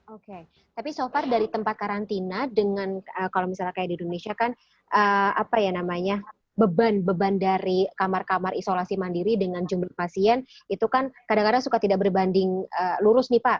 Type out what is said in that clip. oke tapi so far dari tempat karantina dengan kalau misalnya kayak di indonesia kan apa ya namanya beban beban dari kamar kamar isolasi mandiri dengan jumlah pasien itu kan kadang kadang suka tidak berbanding lurus nih pak